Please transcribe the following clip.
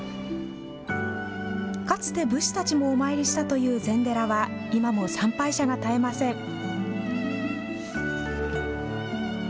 かつて武士たちもお参りしたという禅寺は今も参拝者が絶えません。